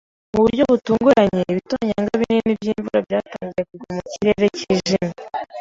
Mu buryo butunguranye, ibitonyanga binini by'imvura byatangiye kugwa mu kirere cyijimye.